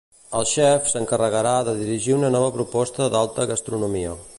El xef s'encarregarà de dirigir una nova proposta d'alta gastronomia.